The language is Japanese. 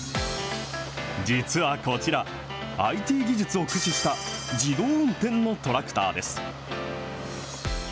実はこちら、ＩＴ技術を駆使した自動運転のトラクターです。